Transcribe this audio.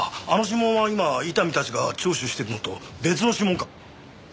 あの指紋は今伊丹たちが聴取してるのと別の指紋か？